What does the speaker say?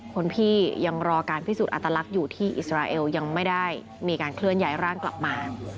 คนพี่ยังรอการพิสูจนอัตลักษณ์อยู่ที่อิสราเอลยังไม่ได้มีการเคลื่อนย้ายร่างกลับมา